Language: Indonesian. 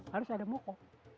harus ada moko